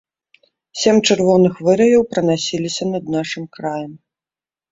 Сем чырвоных выраяў пранасіліся над нашым краем.